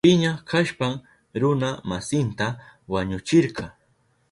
Piña kashpan runa masinta wañuchirka.